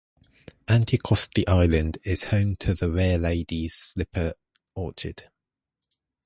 Anticosti Island is home to the rare lady's slipper orchid.